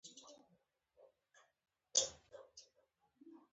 دا ممکنه ده چې انګریزان به د بخارا امیر ته پټې مرستې ژمنه ورکړي.